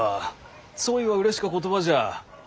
そいはうれしか言葉じゃ。